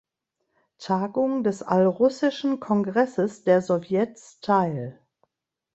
Tagung des Allrussischen Kongresses der Sowjets teil.